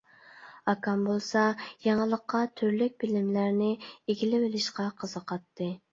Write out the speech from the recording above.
ئاكام بولسا، يېڭىلىققا، تۈرلۈك بىلىملەرنى ئىگىلىۋېلىشقا قىزىقاتتى.